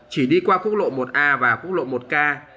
chỉ đi qua khuôn lộ một a và khuôn lộ một k